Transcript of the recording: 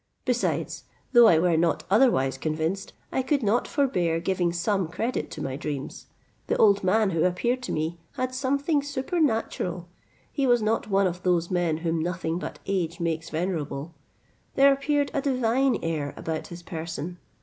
Besides, though I were not otherwise convinced, I could not forbear giving some credit to my dreams. The old man who appeared to me had something supernatural, he was not one of those men whom nothing but age makes venerable; there appeared a divine air about his person.